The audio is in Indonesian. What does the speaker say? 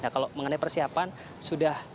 kalau mengenai persiapan sudah